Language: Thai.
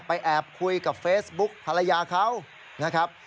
แอบคุยกับเฟซบุ๊กภรรยาเขานะครับ